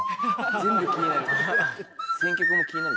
全部気になる